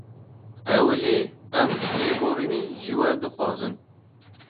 Ewilî em lêborînê ji we dixwazin